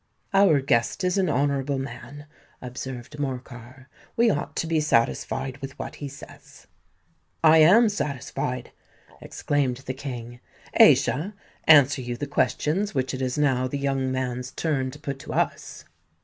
"Our guest is an honourable man," observed Morcar. "We ought to be satisfied with what he says." "I am satisfied," exclaimed the King. "Aischa, answer you the questions which it is now the young man's turn to put to us."